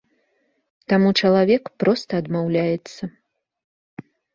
Таму чалавек проста адмаўляецца.